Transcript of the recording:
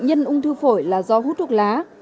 nhân ung thư phổi là do hút thuốc lá